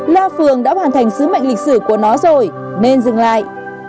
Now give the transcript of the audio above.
la phường đã hoàn thành sứ mệnh lịch sử của nó rồi nên dừng lại